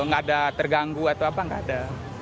nggak ada terganggu atau apa nggak ada